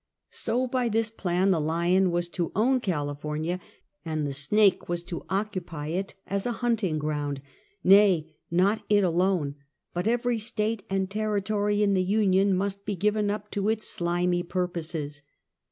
So by this plan the lion was to own California, and the snake was to occupy it as a hunting ground ; nay, not it alone, but every State and Territory in the Union must be given up to its slimy purposes.